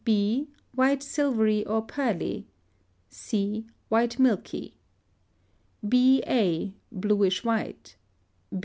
b. White silvery or pearly. c. White milky. B. a. Bluish white.